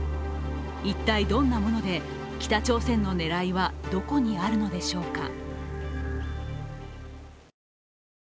一体どんなもので、北朝鮮の狙いはどこにあるのでしょうか。